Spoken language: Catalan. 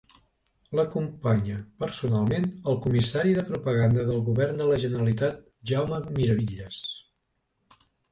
L'acompanya personalment el comissari de Propaganda del Govern de la Generalitat Jaume Miravitlles.